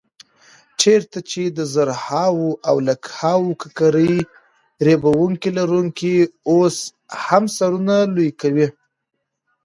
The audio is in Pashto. چېرته چې د زرهاو او لکهاوو ککرو ریبونکي لرونه اوس هم سرونه لو کوي.